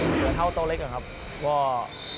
เสือเท่าโตเล็กครับว่า